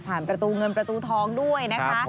ประตูเงินประตูทองด้วยนะคะ